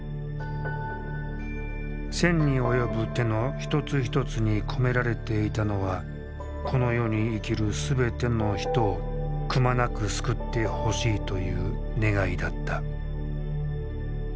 千に及ぶ手の一つ一つに込められていたのはこの世に生きる全ての人をくまなく救ってほしいという願いだった。